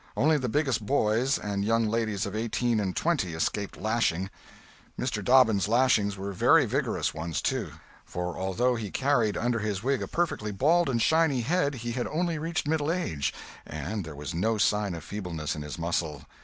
Only the biggest boys, and young ladies of eighteen and twenty, escaped lashing. Mr. Dobbins' lashings were very vigorous ones, too; for although he carried, under his wig, a perfectly bald and shiny head, he had only reached middle age, and there was no sign of feebleness in his muscle.